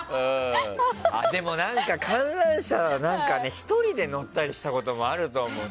でも、観覧車は１人で乗ったりしたこともあると思う。